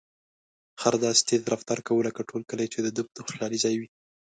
خر داسې رفتار کاوه لکه ټول کلي چې د ده د خوشحالۍ ځای وي.